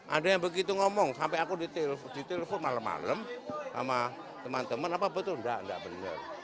ada yang begitu ngomong sampai aku ditelepon malam malam sama teman teman apa betul enggak enggak benar